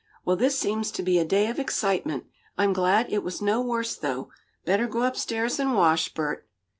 "Well, this seems to be a day of excitement. I'm glad it was no worse, though. Better go up stairs and wash, Bert."